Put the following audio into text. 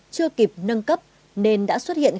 chưa kịp nâng cấp nên đã xuất hiện